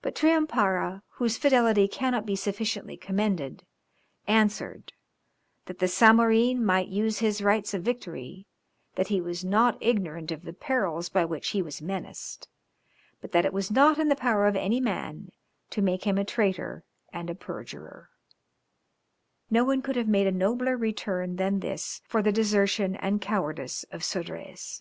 But Triumpara, whose fidelity cannot be sufficiently commended, answered, "that the Zamorin might use his rights of victory; that he was not ignorant of the perils by which he was menaced, but that it was not in the power of any man to make him a traitor and a perjurer." No one could have made a nobler return than this for the desertion and cowardice of Sodrez.